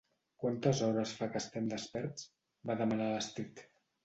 Quantes hores fa que estem desperts? —va demanar l'Astrid.